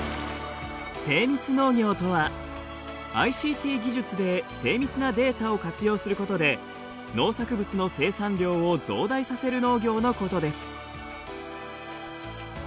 精密農業とはＩＣＴ技術で精密なデータを活用することで農作物の生産量を増大させる農業のことです。